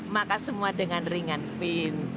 maka semua dengan ringan pin